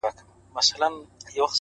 د سترگو هره ائينه کي مي ستا نوم ليکلی!